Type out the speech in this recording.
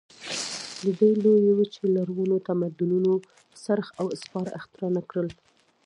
د دې لویې وچې لرغونو تمدنونو څرخ او سپاره اختراع نه کړل.